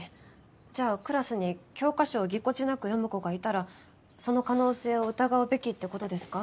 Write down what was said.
じゃあクラスに教科書をぎこちなく読む子がいたらその可能性を疑うべきって事ですか？